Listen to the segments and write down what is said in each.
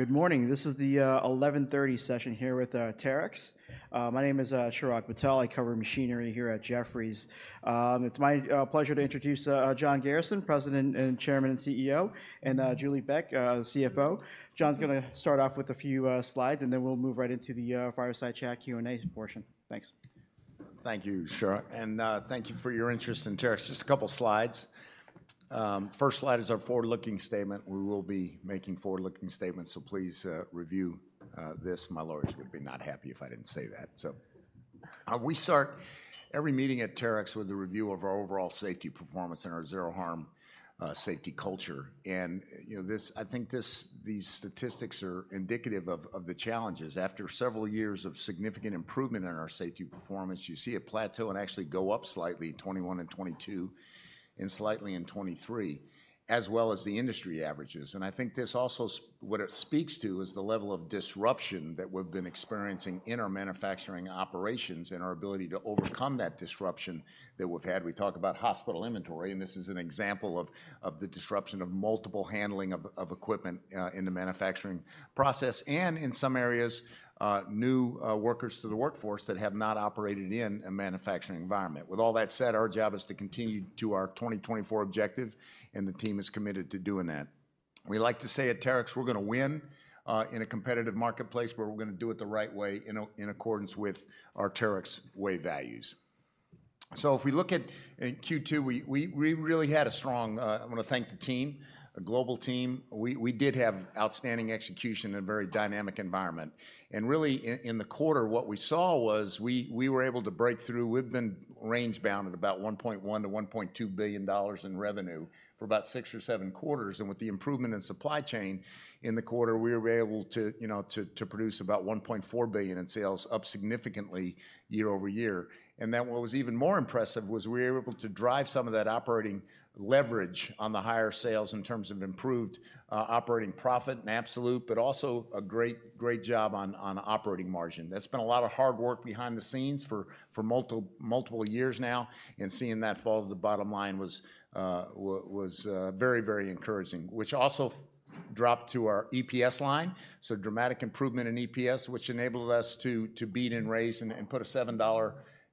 All right. Good morning. This is the 11:30AM session here with Terex. My name is Chirag Patel. I cover machinery here at Jefferies. It's my pleasure to introduce John Garrison, President and Chairman and CEO, and Julie Beck, the CFO. John's gonna start off with a few slides, and then we'll move right into the fireside chat Q&A portion. Thanks. Thank you, Chirag, and, thank you for your interest in Terex. Just a couple slides. First slide is our forward-looking statement. We will be making forward-looking statements, so please, review, this. My lawyers would be not happy if I didn't say that. So, we start every meeting at Terex with a review of our overall safety performance and our Zero Harm, safety culture. And, you know, this. I think this, these statistics are indicative of the challenges. After several years of significant improvement in our safety performance, you see a plateau and actually go up slightly in 2021 and 2022, and slightly in 2023, as well as the industry averages. And I think this also what it speaks to is the level of disruption that we've been experiencing in our manufacturing operations and our ability to overcome that disruption that we've had. We talk about hospital inventory, and this is an example of the disruption of multiple handling of equipment in the manufacturing process, and in some areas new workers to the workforce that have not operated in a manufacturing environment. With all that said, our job is to continue to our 2024 objective, and the team is committed to doing that. We like to say at Terex, we're gonna win in a competitive marketplace, but we're gonna do it the right way, in accordance with our Terex Way values. So if we look at in Q2, we really had a strong. I wanna thank the team, a global team. We did have outstanding execution in a very dynamic environment. And really, in the quarter, what we saw was we were able to break through. We've been range-bound at about $1.1 billion-$1.2 billion in revenue for about six or seven quarters, and with the improvement in supply chain in the quarter, we were able to, you know, to produce about $1.4 billion in sales, up significantly year-over-year. And then what was even more impressive was we were able to drive some of that operating leverage on the higher sales in terms of improved operating profit and absolute, but also a great, great job on operating margin. That's been a lot of hard work behind the scenes for multiple years now, and seeing that fall to the bottom line was very encouraging, which also dropped to our EPS line. Dramatic improvement in EPS, which enabled us to beat and raise and put a $7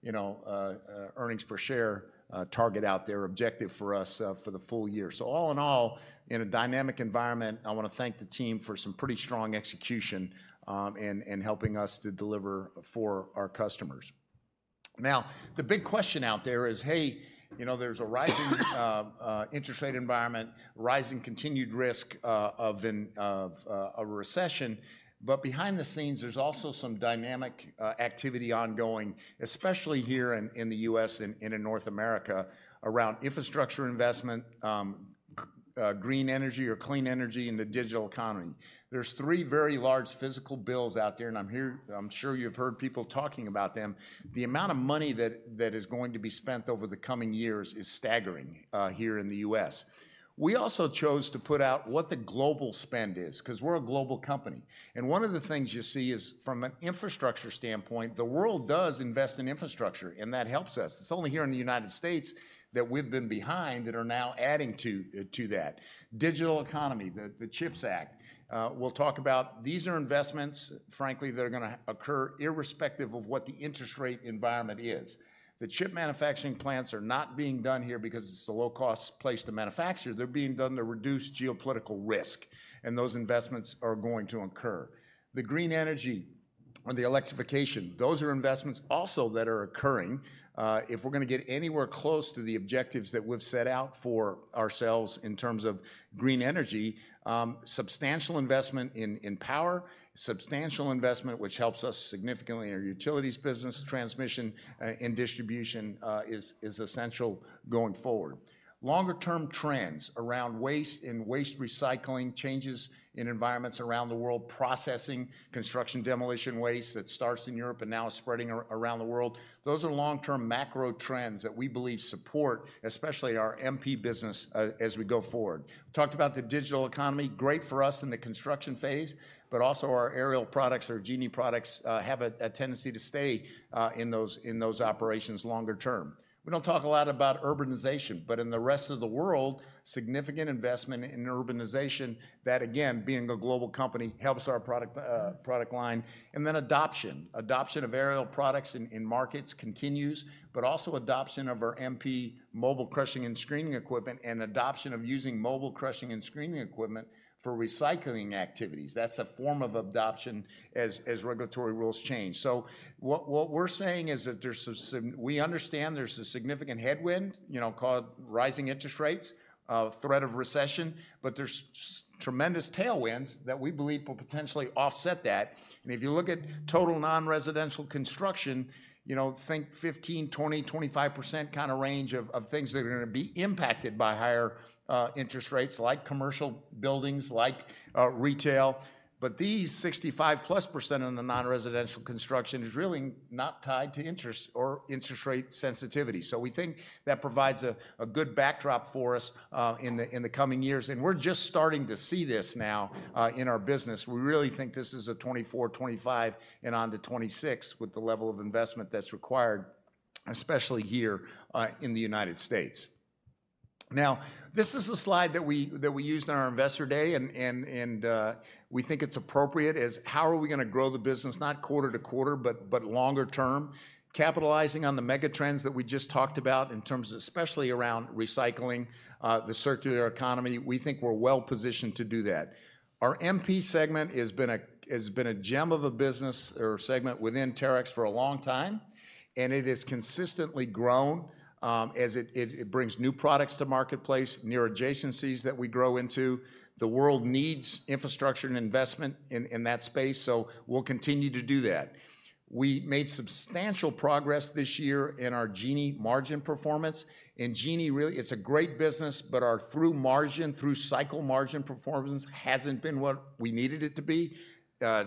earnings per share target out there, objective for us for the full year. All in all, in a dynamic environment, I wanna thank the team for some pretty strong execution and helping us to deliver for our customers. Now, the big question out there is, hey, you know, there's a rising interest rate environment, rising continued risk of a recession, but behind the scenes, there's also some dynamic activity ongoing, especially here in the U.S. and in North America, around infrastructure investment, green energy or clean energy, and the digital economy. There's three very large physical bills out there, and I'm sure you've heard people talking about them. The amount of money that is going to be spent over the coming years is staggering here in the U.S. We also chose to put out what the global spend is, 'cause we're a global company, and one of the things you see is, from an infrastructure standpoint, the world does invest in infrastructure, and that helps us. It's only here in the United States that we've been behind that are now adding to that. Digital economy, the CHIPS Act, we'll talk about these are investments, frankly, that are gonna occur irrespective of what the interest rate environment is. The chip manufacturing plants are not being done here because it's a low-cost place to manufacture. They're being done to reduce geopolitical risk, and those investments are going to occur. The green energy or the electrification, those are investments also that are occurring. If we're gonna get anywhere close to the objectives that we've set out for ourselves in terms of green energy, substantial investment in power, substantial investment which helps us significantly in our Utilities business, transmission, and distribution, is essential going forward. Longer-term trends around waste and waste recycling, changes in environments around the world, processing, construction, demolition waste that starts in Europe and now is spreading around the world, those are long-term macro trends that we believe support, especially our MP business, as we go forward. Talked about the digital economy, great for us in the construction phase, but also our aerial products, our Genie products, have a tendency to stay in those operations longer term. We don't talk a lot about urbanization, but in the rest of the world, significant investment in urbanization, that again, being a global company, helps our product, product line. And then adoption. Adoption of aerial products in markets continues, but also adoption of our MP mobile crushing and screening equipment, and adoption of using mobile crushing and screening equipment for recycling activities. That's a form of adoption as regulatory rules change. So what we're saying is that there's a significant headwind, you know, called rising interest rates, threat of recession, but there's tremendous tailwinds that we believe will potentially offset that. And if you look at total non-residential construction, you know, think 15%, 20%, 25% kinda range of, of things that are gonna be impacted by higher interest rates, like commercial buildings, like retail, but these 65%+ of the non-residential construction is really not tied to interest or interest rate sensitivity. So we think that provides a good backdrop for us in the coming years, and we're just starting to see this now in our business. We really think this is a 2024, 2025, and on to 2026 with the level of investment that's required, especially here in the United States. Now, this is a slide that we used in our Investor Day, and we think it's appropriate, is how are we gonna grow the business, not quarter to quarter, but longer term? Capitalizing on the megatrends that we just talked about in terms of especially around recycling, the circular economy. We think we're well positioned to do that. Our MP segment has been a gem of a business or segment within Terex for a long time, and it has consistently grown, as it brings new products to marketplace, new adjacencies that we grow into. The world needs infrastructure and investment in that space, so we'll continue to do that. We made substantial progress this year in our Genie margin performance. And Genie, really, it's a great business, but our through margin, through cycle margin performance hasn't been what we needed it to be.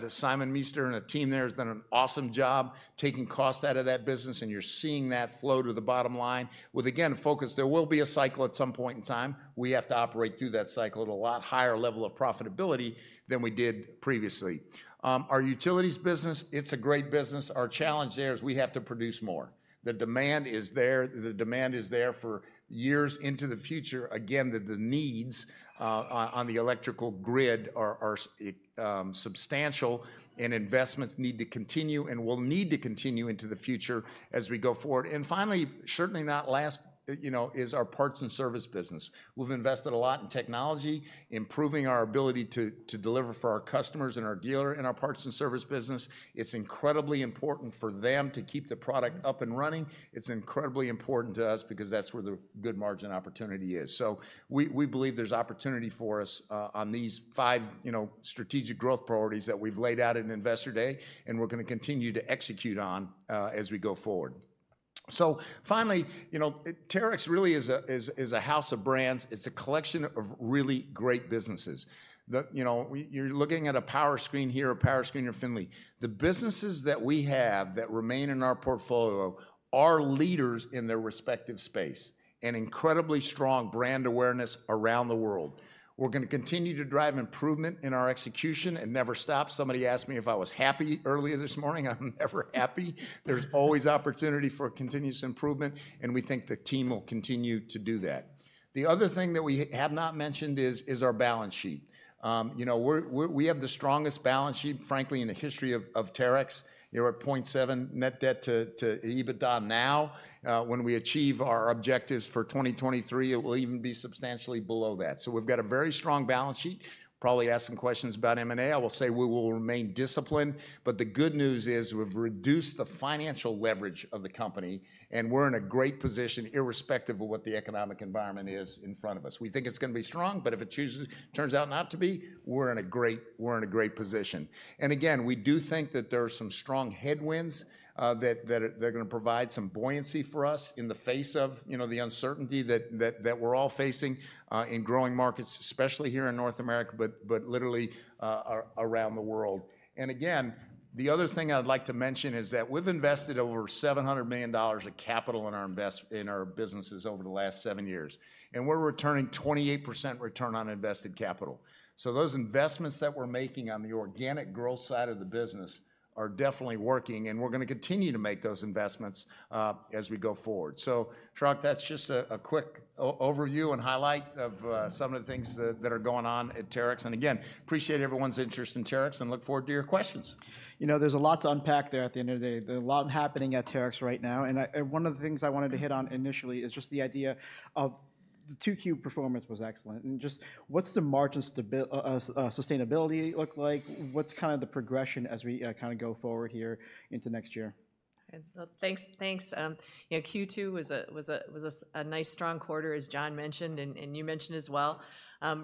Simon Meester and the team there has done an awesome job taking cost out of that business, and you're seeing that flow to the bottom line. With, again, focus, there will be a cycle at some point in time. We have to operate through that cycle at a lot higher level of profitability than we did previously. Our utilities business, it's a great business. Our challenge there is we have to produce more. The demand is there, the demand is there for years into the future. Again, the needs on the electrical grid are substantial, and investments need to continue and will need to continue into the future as we go forward. And finally, certainly not last, you know, is our parts and service business. We've invested a lot in technology, improving our ability to deliver for our customers and our dealer in our parts and service business. It's incredibly important for them to keep the product up and running. It's incredibly important to us because that's where the good margin opportunity is. So we believe there's opportunity for us on these five, you know, strategic growth priorities that we've laid out at Investor Day, and we're gonna continue to execute on as we go forward. So finally, you know, Terex really is a house of brands. It's a collection of really great businesses. You know, you're looking at a Powerscreen here, a Powerscreen from Finlay. The businesses that we have that remain in our portfolio are leaders in their respective space and incredibly strong brand awareness around the world. We're gonna continue to drive improvement in our execution and never stop. Somebody asked me if I was happy earlier this morning. I'm never happy. There's always opportunity for continuous improvement, and we think the team will continue to do that. The other thing that we have not mentioned is our balance sheet. You know, we have the strongest balance sheet, frankly, in the history of Terex. You're at 0.7 net debt to EBITDA now. When we achieve our objectives for 2023, it will even be substantially below that. So we've got a very strong balance sheet. Probably ask some questions about M&A. I will say we will remain disciplined, but the good news is we've reduced the financial leverage of the company, and we're in a great position, irrespective of what the economic environment is in front of us. We think it's gonna be strong, but if it turns out not to be, we're in a great position. And again, we do think that there are some strong headwinds that are gonna provide some buoyancy for us in the face of, you know, the uncertainty that we're all facing in growing markets, especially here in North America, but literally around the world. And again, the other thing I'd like to mention is that we've invested over $700 million of capital in our businesses over the last seven years, and we're returning 28% return on invested capital. So those investments that we're making on the organic growth side of the business are definitely working, and we're gonna continue to make those investments as we go forward. So Chirag, that's just a quick overview and highlight of some of the things that are going on at Terex. Again, appreciate everyone's interest in Terex and look forward to your questions. You know, there's a lot to unpack there at the end of the day. There's a lot happening at Terex right now, and one of the things I wanted to hit on initially is just the idea of the 2Q performance was excellent. And just what's the margin sustainability look like? What's kind of the progression as we kinda go forward here into next year? Well, thanks, thanks. You know, Q2 was a nice, strong quarter, as John mentioned, and you mentioned as well.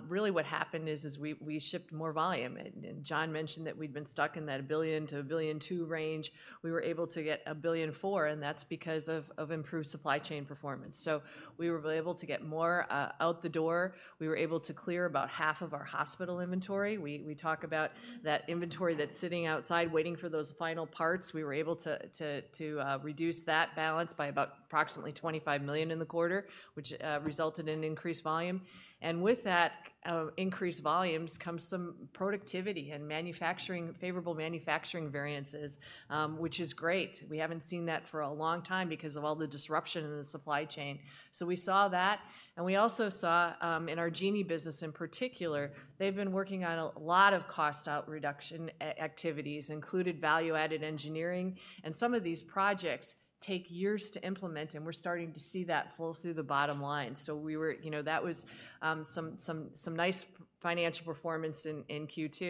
Really what happened is we shipped more volume, and John mentioned that we'd been stuck in that $1 billion-$1.2 billion range. We were able to get $1.4 billion, and that's because of improved supply chain performance. So we were able to get more out the door. We were able to clear about half of our hospital inventory. We talk about that inventory that's sitting outside waiting for those final parts. We were able to reduce that balance by about approximately $25 million in the quarter, which resulted in increased volume. And with that, increased volumes, comes some productivity and manufacturing-favorable manufacturing variances, which is great. We haven't seen that for a long time because of all the disruption in the supply chain. So we saw that, and we also saw, in our Genie business in particular, they've been working on a lot of cost out reduction activities, including value-added engineering. And some of these projects take years to implement, and we're starting to see that flow through the bottom line. So you know, that was, some nice financial performance in Q2.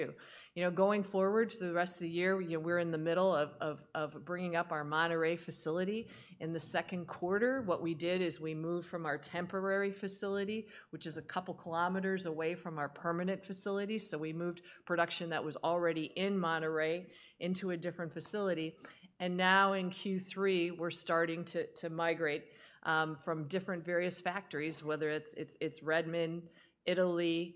You know, going forward to the rest of the year, you know, we're in the middle of bringing up our Monterrey facility. In the second quarter, what we did is we moved from our temporary facility, which is a couple kilometers away from our permanent facility. So we moved production that was already in Monterrey into a different facility, and now in Q3, we're starting to migrate from different various factories, whether it's Redmond, Italy,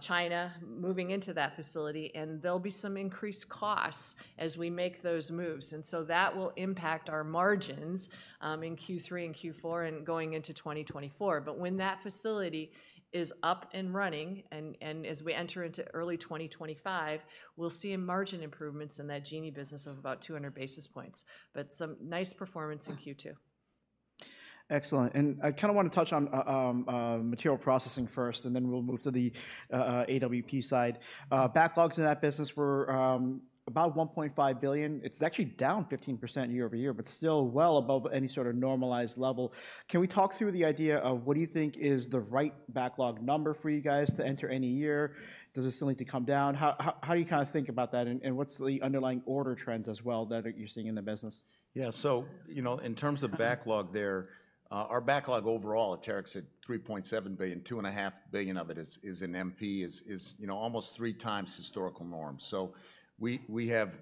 China, moving into that facility, and there'll be some increased costs as we make those moves. And so that will impact our margins in Q3 and Q4 and going into 2024. But when that facility is up and running, and as we enter into early 2025, we'll see margin improvements in that Genie business of about 200 basis points. But some nice performance in Q2.... Excellent. And I kind of wanna touch on Materials Processing first, and then we'll move to the AWP side. Backlogs in that business were about $1.5 billion. It's actually down 15% year-over-year, but still well above any sort of normalized level. Can we talk through the idea of what do you think is the right backlog number for you guys to enter any year? Does it still need to come down? How, how, how do you kinda think about that, and, and what's the underlying order trends as well that you're seeing in the business? Yeah so, you know, in terms of backlog there, our backlog overall at Terex at $3.7 billion, $2.5 billion of it is in MP, you know, almost three times historical norm. So we have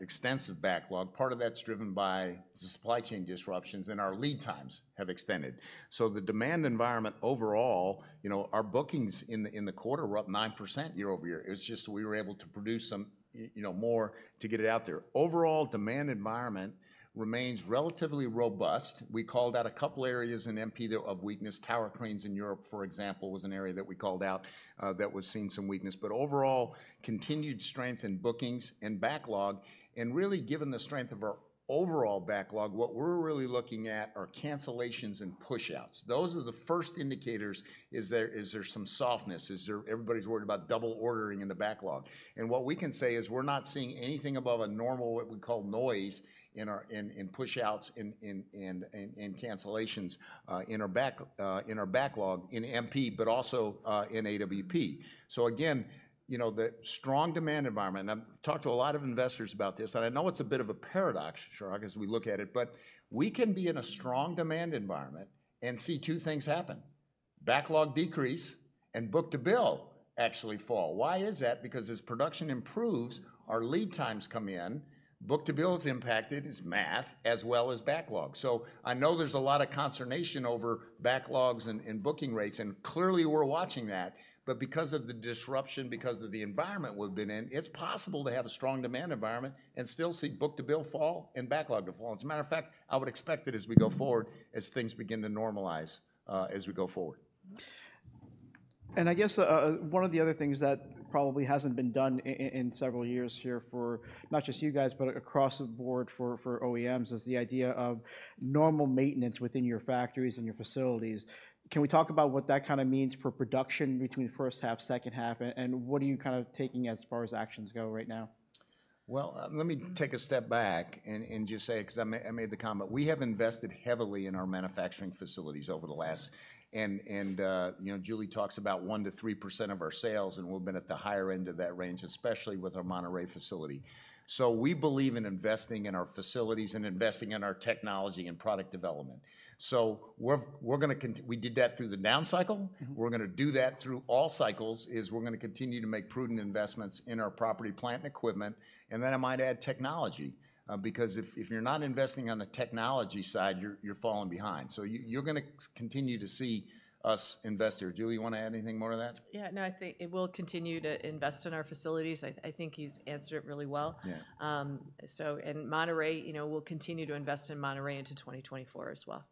extensive backlog. Part of that's driven by the supply chain disruptions, and our lead times have extended. So the demand environment overall, you know, our bookings in the quarter were up 9% year-over-year. It's just we were able to produce some, you know, more to get it out there. Overall, demand environment remains relatively robust. We called out a couple areas in MP though of weakness. Tower cranes in Europe, for example, was an area that we called out, that was seeing some weakness, but overall, continued strength in bookings and backlog. And really, given the strength of our overall backlog, what we're really looking at are cancellations and pushouts. Those are the first indicators. Is there some softness? Everybody's worried about double ordering in the backlog. And what we can say is we're not seeing anything above a normal, what we call noise, in cancellations in our backlog in MP, but also in AWP. So again, you know, the strong demand environment, and I've talked to a lot of investors about this, and I know it's a bit of a paradox, Chirag, as we look at it, but we can be in a strong demand environment and see two things happen: backlog decrease and book-to-bill actually fall. Why is that? Because as production improves, our lead times come in, book-to-bill is impacted, it's math, as well as backlog. So I know there's a lot of consternation over backlogs and booking rates, and clearly we're watching that. But because of the disruption, because of the environment we've been in, it's possible to have a strong demand environment and still see book-to-bill fall and backlog to fall. As a matter of fact, I would expect it as we go forward, as things begin to normalize, as we go forward. I guess, one of the other things that probably hasn't been done in several years here for not just you guys, but across the board for OEMs, is the idea of normal maintenance within your factories and your facilities. Can we talk about what that kinda means for production between first half, second half, and what are you kind of taking as far as actions go right now? Well, let me take a step back and, and just say, 'cause I made, I made the comment. We have invested heavily in our manufacturing facilities over the last... And, you know, Julie talks about 1%-3% of our sales, and we've been at the higher end of that range, especially with our Monterrey facility. So we believe in investing in our facilities and investing in our technology and product development. So we're, we're gonna we did that through the down cycle. Mm-hmm. We're gonna do that through all cycles, is we're gonna continue to make prudent investments in our property, plant, and equipment, and then I might add technology. Because if you're not investing on the technology side, you're falling behind. So you're gonna continue to see us invest here. Julie, you wanna add anything more to that? Yeah, no, I think we'll continue to invest in our facilities. I, I think he's answered it really well. Yeah. Monterrey, you know, we'll continue to invest in Monterrey into 2024 as well.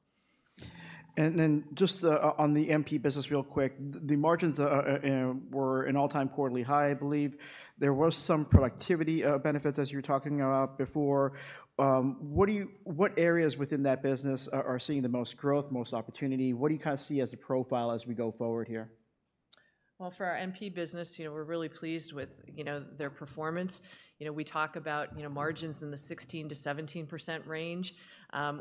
Then just on the MP business real quick, the margins were an all-time quarterly high, I believe. There was some productivity benefits, as you were talking about before. What areas within that business are seeing the most growth, most opportunity? What do you kinda see as the profile as we go forward here? Well, for our MP business, you know, we're really pleased with, you know, their performance. You know, we talk about, you know, margins in the 16%-17% range.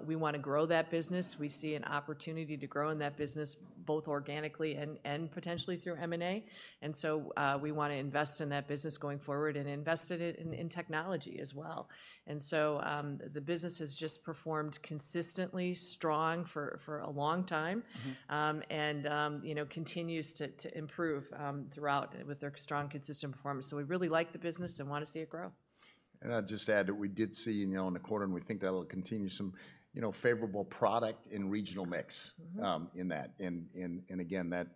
We wanna grow that business. We see an opportunity to grow in that business, both organically and potentially through M&A. And so, we wanna invest in that business going forward and invest in it, in technology as well. And so, the business has just performed consistently strong for a long time. Mm-hmm. You know, continues to improve throughout with their strong, consistent performance. So we really like the business and wanna see it grow. I'd just add that we did see, you know, in the quarter, and we think that will continue some, you know, favorable product and regional mix- Mm-hmm... in that. And again, that,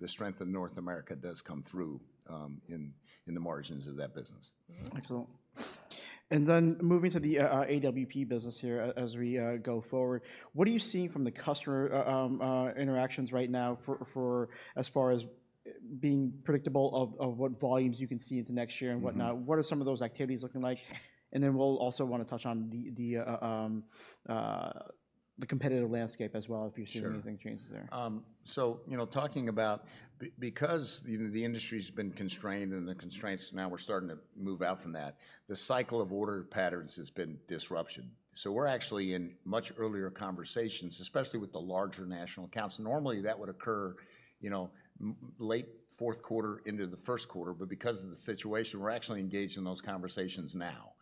the strength of North America does come through, in the margins of that business. Mm-hmm. Excellent. And then moving to the AWP business here as we go forward, what are you seeing from the customer interactions right now for as far as being predictable of what volumes you can see into next year and whatnot? Mm-hmm. What are some of those activities looking like? And then we'll also wanna touch on the competitive landscape as well, if you've- Sure seen anything changes there. So, you know, talking about because the industry's been constrained and the constraints now are starting to move out from that, the cycle of order patterns has been disruption. So we're actually in much earlier conversations, especially with the larger national accounts. Normally, that would occur, you know, late fourth quarter into the first quarter, but because of the situation, we're actually engaged in those conversations now.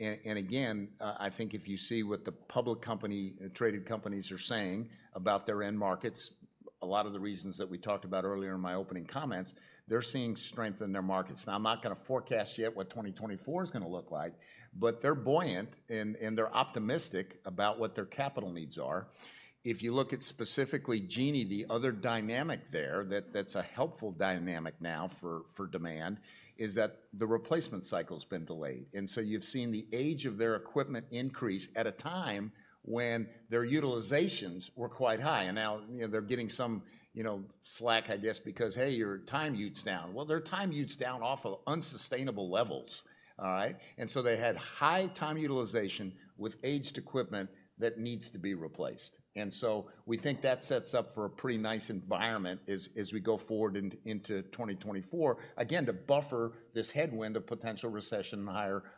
And again, I think if you see what the public company, traded companies are saying about their end markets, a lot of the reasons that we talked about earlier in my opening comments, they're seeing strength in their markets. Now, I'm not gonna forecast yet what 2024 is gonna look like, but they're buoyant, and they're optimistic about what their capital needs are. If you look at specifically Genie, the other dynamic there, that's a helpful dynamic now for demand, is that the replacement cycle's been delayed. And so you've seen the age of their equipment increase at a time when their utilizations were quite high. And now, you know, they're getting some, you know, slack, I guess, because, hey, your time utilization's down. Well, their time utilization's down off of unsustainable levels, all right? And so they had high time utilization with aged equipment that needs to be replaced. And so we think that sets up for a pretty nice environment as we go forward into 2024, again, to buffer this headwind of potential recession and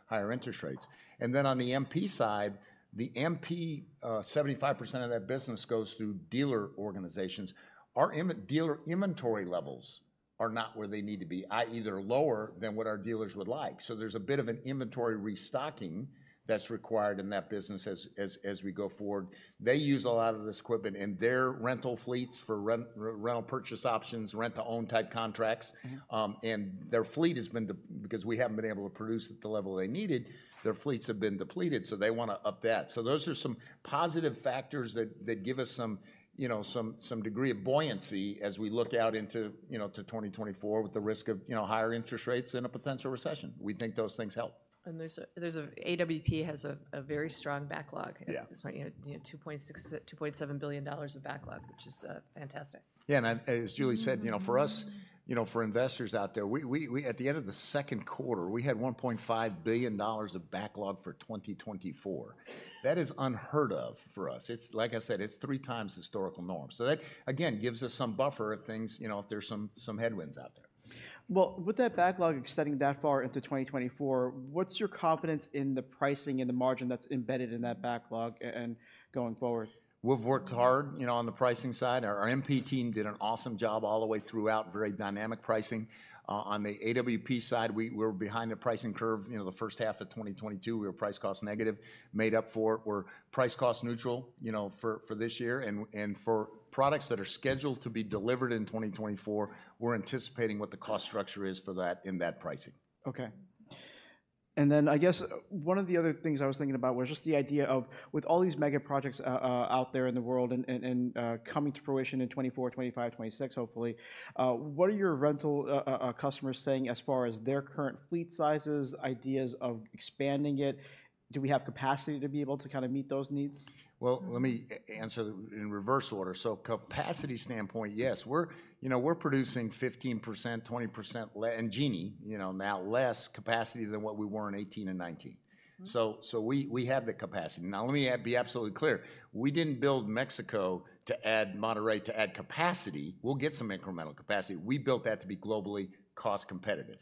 higher interest rates. And then on the MP side, the MP, 75% of that business goes through dealer organizations. Our dealer inventory levels-... are not where they need to be, i.e., either lower than what our dealers would like. So there's a bit of an inventory restocking that's required in that business as we go forward. They use a lot of this equipment in their rental fleets for rental purchase options, rent-to-own type contracts. Mm-hmm. And their fleet has been depleted because we haven't been able to produce at the level they needed. Their fleets have been depleted, so they wanna up that. So those are some positive factors that give us some, you know, some degree of buoyancy as we look out into, you know, to 2024 with the risk of, you know, higher interest rates and a potential recession. We think those things help. AWP has a very strong backlog. Yeah. It's like, you know, $2.6 billion-$2.7 billion of backlog, which is fantastic. Yeah, and as Julie said- Mm... you know, for us, you know, for investors out there, we at the end of the second quarter had $1.5 billion of backlog for 2024. That is unheard of for us. It's like I said, it's three times historical norm. So that, again, gives us some buffer if things, you know, if there's some headwinds out there. Well, with that backlog extending that far into 2024, what's your confidence in the pricing and the margin that's embedded in that backlog and going forward? We've worked hard, you know, on the pricing side. Our MP team did an awesome job all the way throughout, very dynamic pricing. On the AWP side, we were behind the pricing curve, you know, the first half of 2022. We were price-cost negative, made up for it. We're price-cost neutral, you know, for, for this year, and, and for products that are scheduled to be delivered in 2024, we're anticipating what the cost structure is for that in that pricing. Okay. I guess one of the other things I was thinking about was just the idea of, with all these mega projects out there in the world and coming to fruition in 2024, 2025, 2026, hopefully, what are your rental customers saying as far as their current fleet sizes, ideas of expanding it? Do we have capacity to be able to kinda meet those needs? Well- Mm... let me answer in reverse order. So capacity standpoint, yes, we're, you know, we're producing 15%-20% less in Genie, you know, now less capacity than what we were in 2018 and 2019. Mm. So we have the capacity. Now, let me be absolutely clear: we didn't build Mexico to add Monterrey to add capacity. We'll get some incremental capacity. We built that to be globally cost competitive.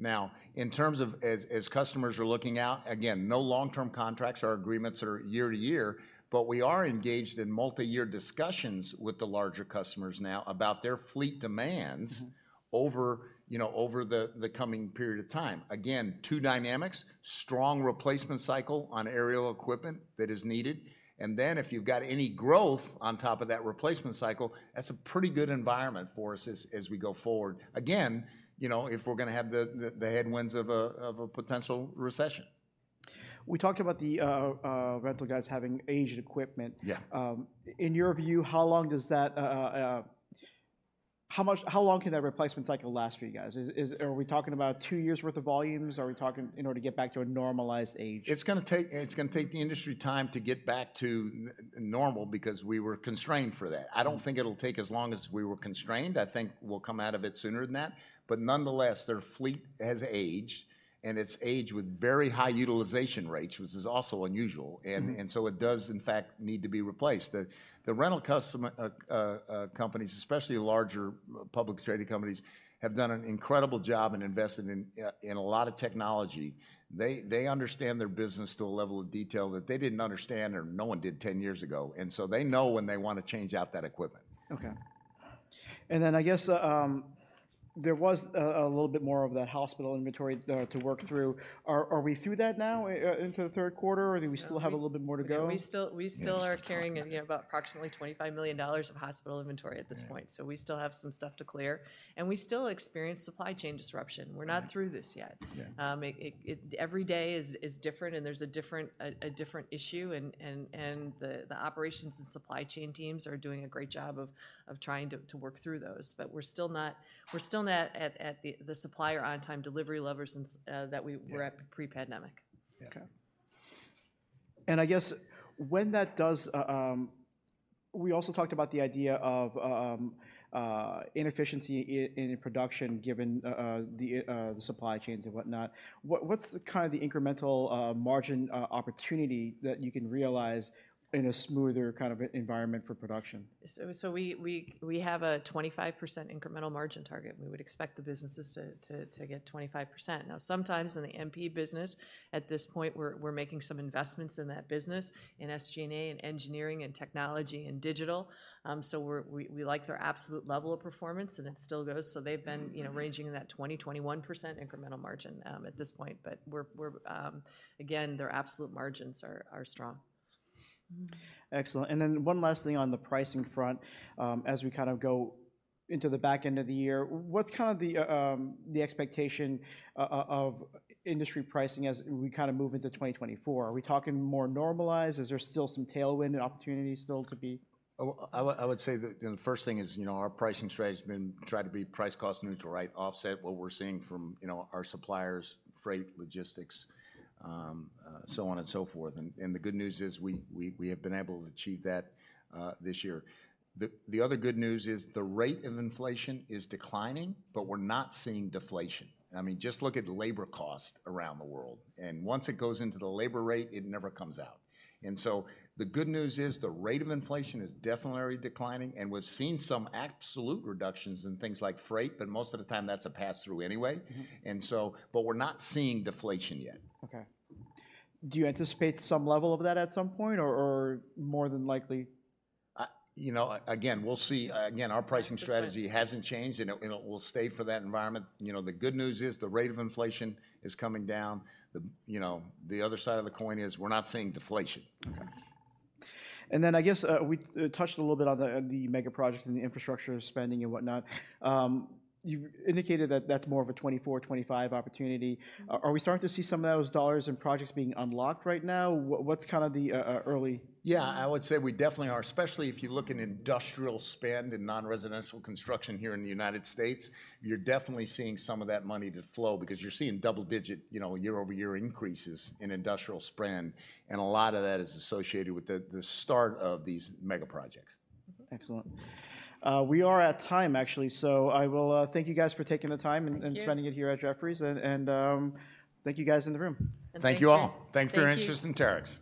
Now, in terms of as customers are looking out, again, no long-term contracts. Our agreements are year to year, but we are engaged in multi-year discussions with the larger customers now about their fleet demands- Mm-hmm... over, you know, over the coming period of time. Again, two dynamics: strong replacement cycle on aerial equipment that is needed, and then if you've got any growth on top of that replacement cycle, that's a pretty good environment for us as we go forward. Again, you know, if we're gonna have the headwinds of a potential recession. We talked about the rental guys having aged equipment. Yeah. In your view, how long does that... How much- how long can that replacement cycle last for you guys? Are we talking about two years' worth of volumes? Are we talking in order to get back to a normalized age? It's gonna take the industry time to get back to normal because we were constrained for that. Mm. I don't think it'll take as long as we were constrained. I think we'll come out of it sooner than that. But nonetheless, their fleet has aged, and it's aged with very high utilization rates, which is also unusual. Mm-hmm. And so it does, in fact, need to be replaced. The rental customer companies, especially larger public trading companies, have done an incredible job in investing in a lot of technology. They understand their business to a level of detail that they didn't understand or no one did 10 years ago, and so they know when they want to change out that equipment. Okay. Then I guess there was a little bit more of that hospital inventory to work through. Are we through that now into the third quarter, or do we still have a little bit more to go? We still are carrying- Yeah... you know, about approximately $25 million of hospital inventory at this point. Yeah. We still have some stuff to clear, and we still experience supply chain disruption. Mm. We're not through this yet. Yeah. Every day is different, and there's a different issue, and the operations and supply chain teams are doing a great job of trying to work through those. But we're still not at the supplier on-time delivery levels since that we- Yeah... were at pre-pandemic. Yeah. Okay. And I guess when that does, we also talked about the idea of inefficiency in production, given the supply chains and whatnot. What's kind of the incremental margin opportunity that you can realize in a smoother kind of environment for production? So we have a 25% incremental margin target. We would expect the businesses to get 25%. Now, sometimes in the MP business, at this point, we're making some investments in that business, in SG&A, in engineering, in technology, in digital. So we like their absolute level of performance, and it still goes. So they've been- Mm... you know, ranging in that 20%-21% incremental margin at this point. But we're... Again, their absolute margins are strong. Excellent. And then one last thing on the pricing front. As we kind of go into the back end of the year, what's kind of the expectation of industry pricing as we kind of move into 2024? Are we talking more normalized? Is there still some tailwind and opportunity still to be? Oh, I would say that, you know, the first thing is, you know, our pricing strategy has been try to be price-cost neutral, right? Offset what we're seeing from, you know, our suppliers, freight, logistics, so on and so forth. And the good news is we have been able to achieve that this year. The other good news is the rate of inflation is declining, but we're not seeing deflation. I mean, just look at labor costs around the world, and once it goes into the labor rate, it never comes out. And so the good news is the rate of inflation is definitely declining, and we've seen some absolute reductions in things like freight, but most of the time that's a pass-through anyway. Mm-hmm. But we're not seeing deflation yet. Okay. Do you anticipate some level of that at some point, or more than likely- You know, again, we'll see. Again, our pricing- That's right ...strategy hasn't changed, and it, and it will stay for that environment. You know, the good news is the rate of inflation is coming down. The, you know, the other side of the coin is we're not seeing deflation. Okay. And then I guess, we touched a little bit on the mega projects and the infrastructure spending and whatnot. You indicated that that's more of a 2024, 2025 opportunity. Mm. Are we starting to see some of those dollars and projects being unlocked right now? What's kind of the early- Yeah, I would say we definitely are, especially if you look in industrial spend and non-residential construction here in the United States. You're definitely seeing some of that money to flow because you're seeing double-digit, you know, year-over-year increases in industrial spend, and a lot of that is associated with the start of these mega projects. Excellent. We are at time, actually, so I will thank you guys for taking the time- Thank you... and spending it here at Jefferies, and thank you guys in the room. And thanks to you. Thank you all. Thank you. Thanks for your interest in Terex.